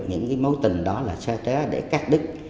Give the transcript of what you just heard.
những cái mối tình đó là xa té để cắt đứt